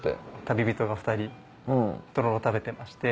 旅人が２人とろろ食べてまして。